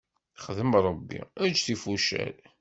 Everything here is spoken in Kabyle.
Xdem Ṛebbi, eǧǧ tifucal.